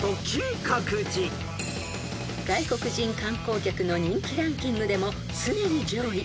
［外国人観光客の人気ランキングでも常に上位］